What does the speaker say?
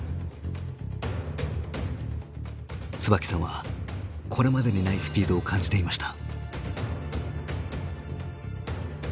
椿さんはこれまでにないスピードを感じていました。